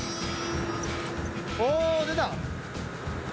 お出た。